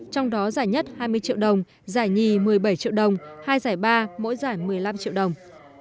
trong đó giải nhất hai mươi triệu đồng giải nhì một mươi bảy triệu đồng hai giải ba mỗi giải một mươi năm triệu đồng